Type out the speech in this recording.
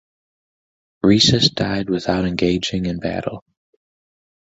Rhesus died without engaging in battle.